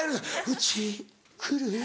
「うち来る？」